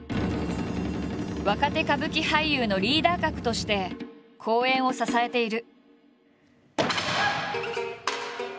若手歌舞伎俳優のリーダー格として公演を支えている。